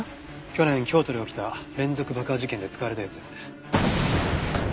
去年京都で起きた連続爆破事件で使われたやつですね。